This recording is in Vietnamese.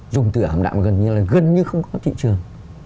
dùng từ ảm đạm gần như là gần như không có thị trường